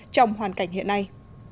trong hoàn cảnh hiện nay